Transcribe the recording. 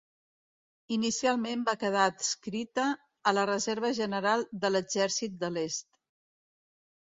Inicialment va quedar adscrita a la reserva general de l'Exèrcit de l'Est.